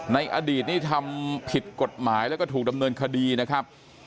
ในอดีตนี่ทำผิดกฎหมายแล้วก็ถูกดำเนินคดีนะครับ